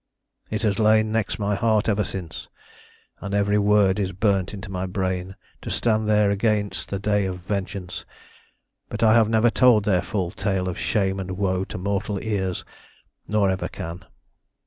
"It has lain next my heart ever since, and every word is burnt into my brain, to stand there against the day of vengeance. But I have never told their full tale of shame and woe to mortal ears, nor ever can.